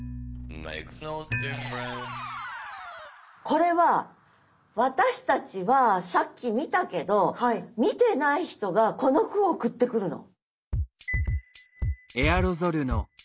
これは私たちはさっき見たけど見てない人がこの句を送ってくるの。